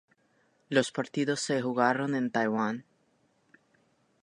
Los partidos se jugaron en Taiwán.